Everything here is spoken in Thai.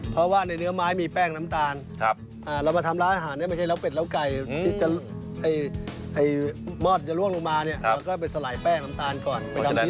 ไปทำพิสเมนต์ก่อน